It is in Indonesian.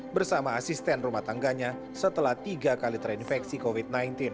bersama asisten rumah tangganya setelah tiga kali terinfeksi covid sembilan belas